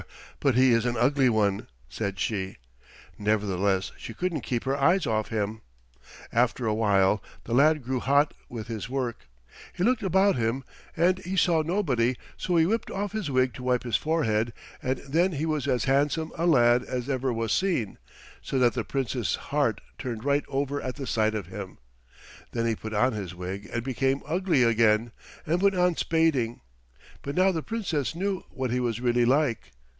"Br r r! But he is an ugly one," said she. Nevertheless she couldn't keep her eyes off him. After a while the lad grew hot with his work. He looked about him, and he saw nobody, so he whipped off his wig to wipe his forehead, and then he was as handsome a lad as ever was seen, so that the Princess's heart turned right over at the sight of him. Then he put on his wig and became ugly again, and went on spading, but now the Princess knew what he was really like.